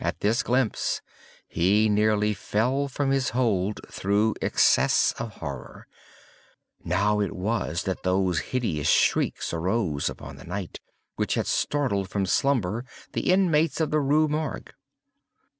At this glimpse he nearly fell from his hold through excess of horror. Now it was that those hideous shrieks arose upon the night, which had startled from slumber the inmates of the Rue Morgue.